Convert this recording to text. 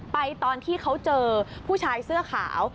ตอนที่เขาเจอผู้ชายเสื้อขาว